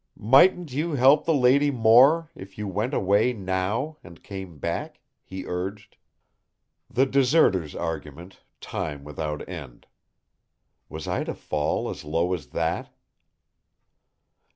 "Mightn't you help the lady more if you went away now, and came back?" he urged. The deserter's argument, time without end! Was I to fall as low as that?